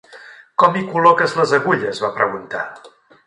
"Com hi col·loques les agulles?", va preguntar.